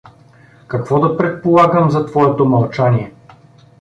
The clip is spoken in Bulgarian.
Какво да предполагам за твоето мълчание?